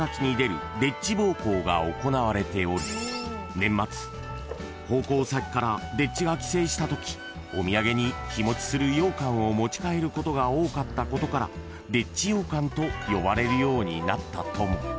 ［年末奉公先から丁稚が帰省したときお土産に日持ちするようかんを持ち帰ることが多かったことから丁稚ようかんと呼ばれるようになったとも］